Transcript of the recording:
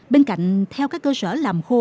bên cạnh theo các cơ sở làm khô